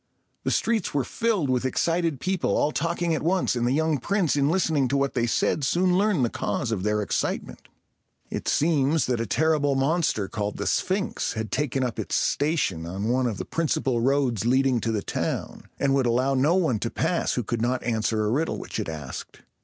The streets were filled with excited people, all talking at once; and the young prince, in listening to what they said, soon learned the cause of their excitement. [Illustration: After a few moments' deep thought, OEdipus answered.] It seems that a terrible monster called the Sphinx had taken up its station on one of the principal roads leading to the town, and would allow no one to pass who could not answer a riddle which it asked.